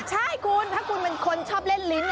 ใช่คุณถ้าคุณเป็นคนชอบเล่นลิ้น